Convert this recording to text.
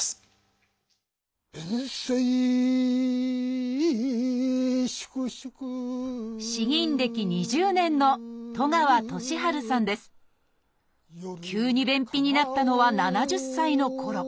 鞭声粛粛詩吟歴２０年の急に便秘になったのは７０歳のころ